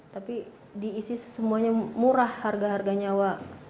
tapi diisi semuanya murah harga harganya orangnya